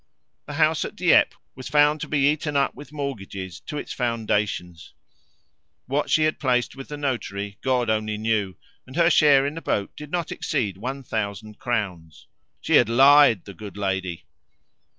The house at Dieppe was found to be eaten up with mortgages to its foundations; what she had placed with the notary God only knew, and her share in the boat did not exceed one thousand crowns. She had lied, the good lady!